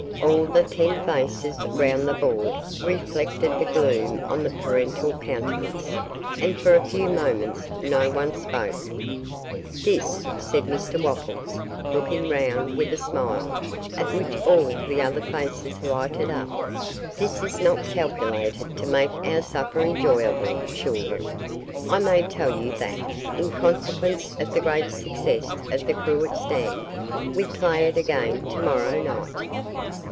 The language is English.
All the ten faces round the board reflected the gloom on the parental countenance, and for a few moments no one spoke. 'This,' said Mr Wopples, looking round with a smile, at which all the other faces lighted up, 'this is not calculated to make our supper enjoyable, children. I may tell you that, in consequence of the great success of "The Cruet Stand", we play it again to morrow night.